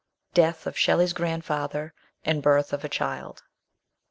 DEATH OF SHELLEY'S GRANDFATHER, AND BIRTH OF A CHILD.